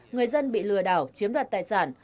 người dân bị lừa đảo chiếm đoạt tài sản